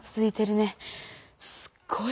すっごい！